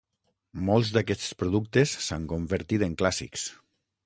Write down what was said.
Molts d'aquests productes s'han convertit en clàssics.